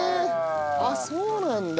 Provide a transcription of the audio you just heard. あっそうなんだ。